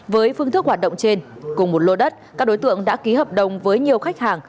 với phương thức hoạt động trên cùng một lô đất các đối tượng đã ký hợp đồng với nhiều khách hàng